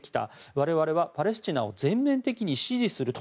我々はパレスチナを全面的に支持すると。